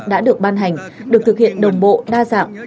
đã được ban hành được thực hiện đồng bộ đa dạng